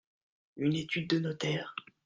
Une étude de notaire.